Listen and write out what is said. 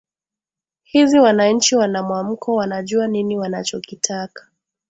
hizi wananchi wana mwamko wanajua nini wanachokitaka